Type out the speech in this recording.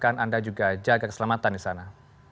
apakah anda juga jaga keselamatan di sana